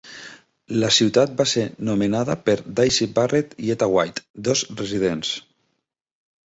La ciutat va ser nomenada per Daisy Barrett i Etta White, dos residents.